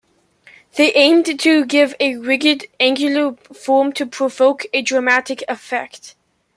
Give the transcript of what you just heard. They aimed to give a rigid, angular form to provoke a dramatic effect.